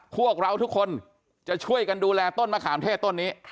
พวกเราทุกคนจะช่วยกันดูแลต้นมะขามเทศต้นนี้